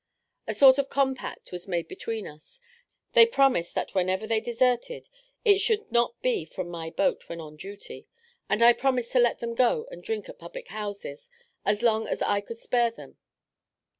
A sort of compact was made between us: they promised that whenever they deserted, it should not be from my boat when on duty, and I promised to let them go and drink at public houses as long as I could spare them.